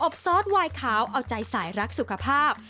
ซอสวายขาวเอาใจสายรักสุขภาพ